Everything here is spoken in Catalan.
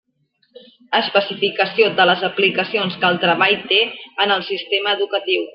Especificació de les aplicacions que el treball té en el sistema educatiu.